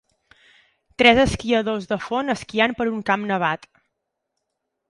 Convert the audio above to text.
Tres esquiadors de fons esquiant per un camp nevat.